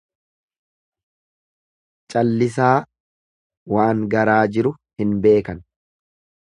Callisaa waan garaa jiru hin beekan.